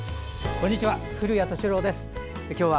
こんにちは。